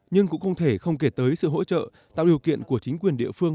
nhưng cũng không thể không kể tới sự hỗ trợ tạo điều kiện của chính quyền địa phương